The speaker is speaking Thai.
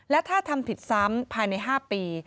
และถ้าทำผิดซ้ำภายใน๕ปี